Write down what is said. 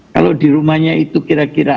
kalau di rumahnya itu kira kira